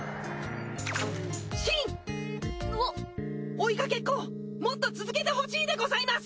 追いかけっこをもっと続けてほしいでございます！